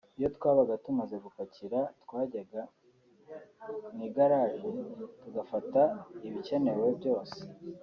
Iyo twabaga tumaze gupakira twajyaga mu igarage tugafata ibikenenewe byose